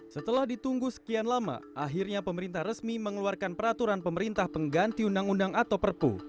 setelah ditunggu sekian lama akhirnya pemerintah resmi mengeluarkan peraturan pemerintah pengganti undang undang atau perpu